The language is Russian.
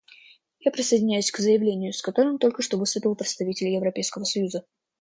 Я присоединяюсь к заявлению, с которым только что выступил представитель Европейского союза.